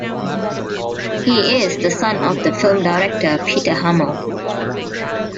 He is the son of the film director Peter Hamel.